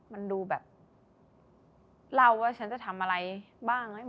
มันดูแบบเล่าว่าฉันจะทำอะไรบ้าง